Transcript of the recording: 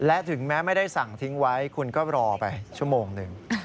และถึงแม้ไม่ได้สั่งทิ้งไว้คุณก็รอไปชั่วโมงหนึ่ง